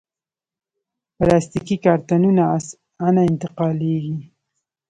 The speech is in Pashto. پلاستيکي کارتنونه اسانه انتقالېږي.